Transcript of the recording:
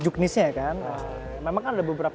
juknisnya kan memang ada beberapa